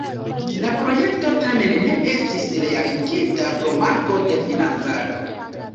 La projekto tamen ne estis realigita pro manko de financado.